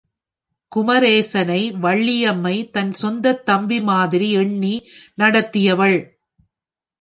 குமரேசனை வள்ளியம்மை தன் சொந்தத்தம்பி மாதிரி எண்ணி நடத்தியவள்.